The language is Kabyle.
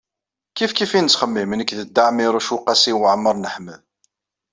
Kifkif i nettxemmim nekk d Dda Ɛmiiruc u Qasi Waɛmer n Ḥmed.